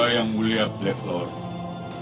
ya yang mulia black lord